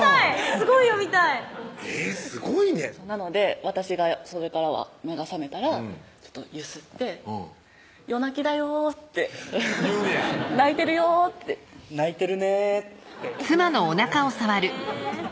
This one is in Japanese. すごい読みたいえぇっすごいねなので私がそれからは目が覚めたら揺すって「夜泣きだよ」って言うねや「泣いてるよ」って「泣いてるね」ってってやんの？